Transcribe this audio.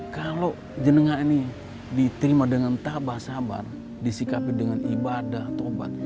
kalau jenengah ini diterima dengan tabah sabar disikapi dengan ibadah tobat